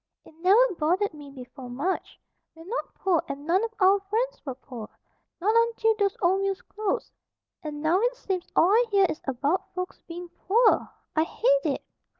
"It never bothered me before, much. We're not poor and none of our friends were poor. Not until those old mills closed. And now it seems all I hear is about folks being POOR. I hate it!"